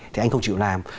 thì anh không chịu làm